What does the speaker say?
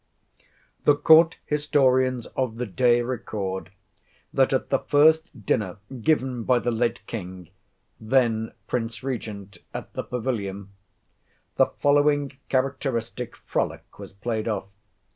The court historians of the day record, that at the first dinner given by the late King (then Prince Regent) at the Pavilion, the following characteristic frolic was played off.